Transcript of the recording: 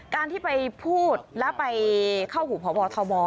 การที่ไปพูดแล้วไปเข้าหูพบทบ